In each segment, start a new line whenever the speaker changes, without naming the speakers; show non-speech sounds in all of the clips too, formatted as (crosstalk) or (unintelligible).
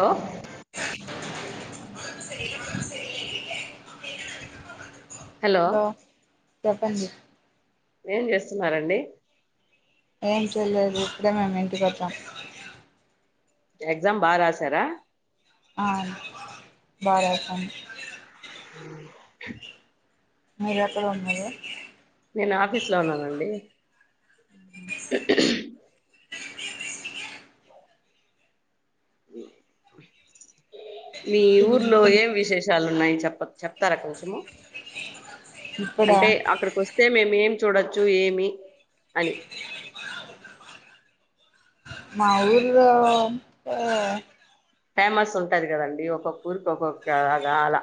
Hello
అను సరలే మ సరి (unintelligible)
హలో
చెప్పండి
ఏం జేస్తున్నారండి
ఏం చేయలేదు ఇప్పుడే మేము ఇంటికి వచ్చాం
ఎగ్జామ్ బాగా రాసారా
ఆ బాగా రాసాను
అ (inaudible)
మీరు ఎక్కడ ఉన్నారు
నేను ఆఫీస్ లో ఉన్నానండి మీ ఊర్లో ఏం విశేషాలు ఉన్నాయి చెప్ప చెప్తారా కొంచెము
ఇక్కడ
అంటే అక్కడికి వస్తే మేమేం చూడొచ్చు ఏమి అని
మాఊరి లో ఆ
ఫేమస్ ఉంటది కదండి ఒక్కొక్క ఊరికి ఒక్కొక్కలాగా అలా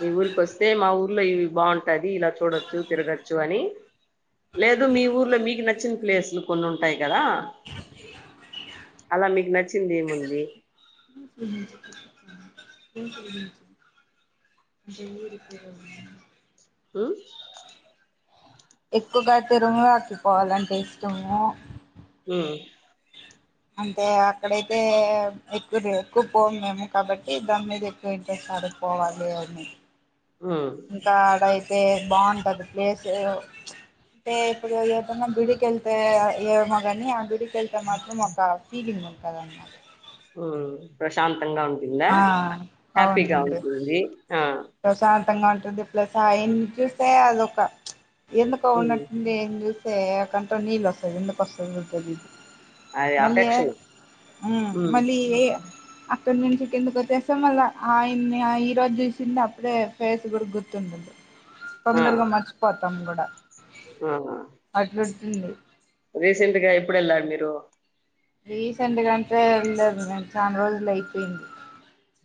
మీ ఊరికి వస్తే మా ఊర్లో ఇవి బాగుంటాది ఇలా చూడొచ్చు తిరగచ్చు అని లేదు మీ ఊర్లో మీకు నచ్చిన ప్లేసులు కొన్ని ఉంటాయి కదా అలా మీకు నచ్చింది ఏముంది
(inaudible) జ (inaudible)
ఉమ్
ఎక్కువగా తిరుంగ ఆకిపోవాలంటే ఇష్టము
ఉమ్
అంటే అక్కడైతే ఎక్కువ ఎక్కువ పోం మేము కాబట్టి దాని మీద ఎక్కువ ఇంట్రెస్ట్ అక్కడి పోవాలీ అని
ఉమ్
ఇంకా ఆడయితే బాగుంటది ప్లేసు అంటే ఇప్పుడు ఏదన్నా గుడికెళ్తే ఏమో కానీ ఆ గుడి వెళ్తే మాత్రం ఒక ఫీలింగ్ ఉంటది అన్నమాట
ఉమ్ ప్రశాంతంగా ఉంటుందా
ఆ
హ్యాపీగా
అవునండి
ఉంటుంది ఆ
ప్రశాంతంగా ఉంటుంది ప్లస్ ఆయన్ని చూస్తే అదొక ఎందుకు
హ్మ్.
ఉన్నట్టుండి నిన్ను జూస్తే కంట్లో నీళ్ళ వస్తది ఎందుకు వస్తదో తెలీదు
అది
మళ్ళీ ఏ
అఫెక్షన్.
ఉమ్
హ్మ్.
మళ్ళీ ఏ ఇక్కడ నుంచి కిందకి వచ్చేస్తా మళ్ళా ఆయన్ని ఈ రోజు జూసి చిన్నప్పుడే ఫేస్ కూడా గుర్తుండదు తొందరగా మర్చిపోతాం గూడా
ఆహా
ఇ (inaudible)
రీసెంట్ గా ఎప్పుడు యెళ్ళారు మీరు
రీసెంట్ గా అంటే ఏమ్ లేదు చానా రోజులు అయిపోయింది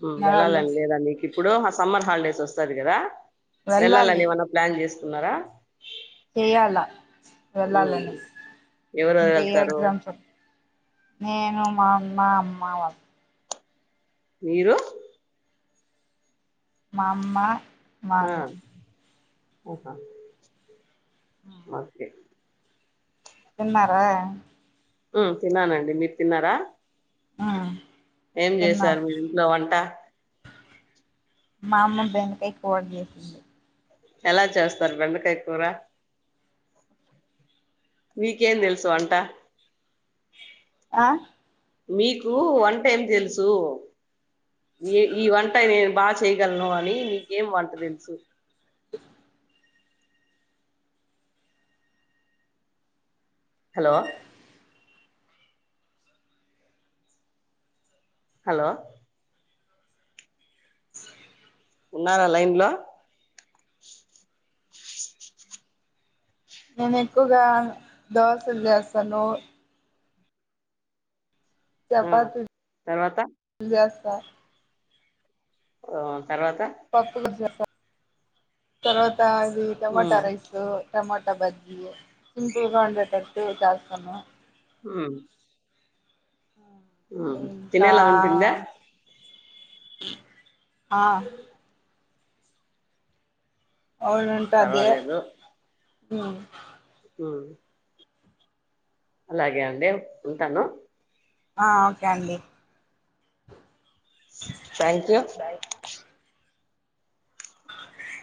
ఉమ్
నెలలు
వెళ్ళాలని లేదా నీకు ఇప్పుడు సమ్మర్ హాలిడేస్ వస్తది గదా
వెళ్ళాలి
వెళ్ళాలని ఏమన్నా ప్లాన్ జేసుకున్నారా
చేయాలా
హ్మ్.
వెళ్ళాలని
ఎవరెవరు
ఇంకా ఏ
వెళ్తారు?
ఎగ్జామ్స్ నేను మా అమ్మ మావాళ్ళు
మీరు
మా అమ్మ మా
ఆ!
అన్న
ఆహా ఓకే
తిన్నారా
ఉమ్ తిన్నానండి మీరు తిన్నారా
ఆ
ఏం జేసారు మీరు ఇంట్లో వంట
మా అమ్మ బెండకాయ్ కూర జేసింది
ఎలా చేస్తారు బెండకాయ్ కూర.? మీకేం దేల్సు వంటా.?
ఆ.
మీకు వంటెం దెల్సు.? ఈ ఈ వంట నేను బా చేయ్. గల్ను అని మీకేం వంట దెల్సు.? ! హాలో. హలో.
స (inaudible)
ఉన్నారా లైన్లో.?
నేనుక్కుగా దోశల్ జేస్తాను.
ఆ
చెపాతీ ల్
తర్వాత
జేస్తా. !
ఆన్.
పప్పు గుజ్జు. (inaudible) తర్వాత అది
ఉమ్
టమాటా రైస్ టమా. టా బజ్జీ సింపుల్గా ఉండేటటు చస్తాను.
ఊహ్మ్.
ఇంకా.
తినేలా ఉంటుందా
ఆ. అవుళాంటదే.
పర్వాలేదు
ఊ.
హా. అలాగే అండి. ఉంటాను.
ఆ ఓకే అండి.
థ్యాంక్యూ.
అ